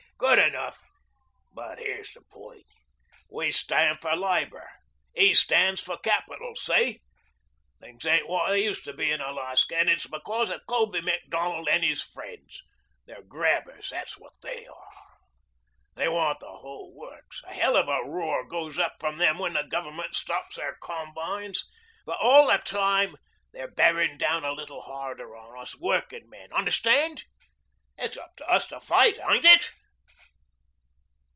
Good enough. But here's the point. We stand for Labor. He stands for Capital. See? Things ain't what they used to be in Alaska, and it's because of Colby Macdonald and his friends. They're grabbers that's what they are. They want the whole works. A hell of a roar goes up from them when the Government stops their combines, but all the time they're bearing down a little harder on us workingmen. Understand? It's up to us to fight, ain't it?"